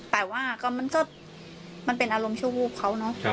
แต่ว่ามันก็มันเป็นอารมณ์ชั่ววูบเขาเนอะ